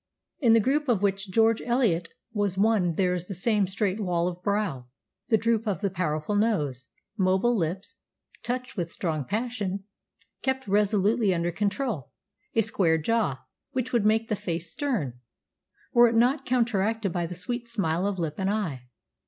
In the group of which George Eliot was one there is the same straight wall of brow; the droop of the powerful nose; mobile lips, touched with strong passion, kept resolutely under control; a square jaw, which would make the face stern, were it not counteracted by the sweet smile of lip and eye....